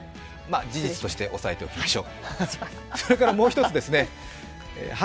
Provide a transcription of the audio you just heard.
事実として抑えておきましょう。